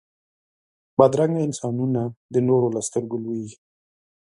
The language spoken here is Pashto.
بدرنګه انسانونه د نورو له سترګو لوېږي